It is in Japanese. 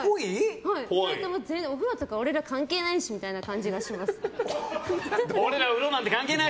２人とも、お風呂とか俺ら関係ないしって感じがします。